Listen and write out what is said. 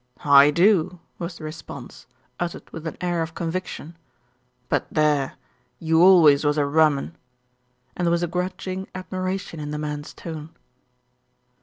"I do," was the response, uttered with an air of con viction; "but there, you always was a rum 'un"; and there was grudging admiration in the man's tone.